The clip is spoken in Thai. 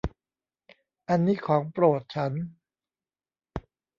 อันนี้ของโปรดฉัน